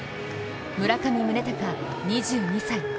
村上宗隆２２歳。